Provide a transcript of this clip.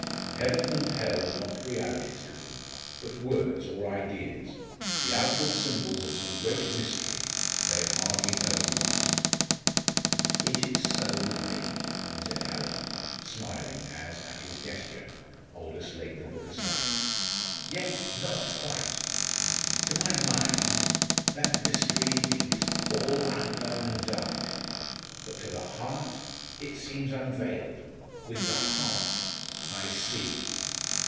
Heaven and Hell are not realities to them, but words or ideas_ the outward symbols of some great mystery, they hardly know what." "It is so with me," said Hallin, smiling, as, at his gesture, Aldous laid the book aside; "yet not quite. To my mind, that mystery indeed is all unknown and dark but to the heart it seems unveiled with the heart, I see."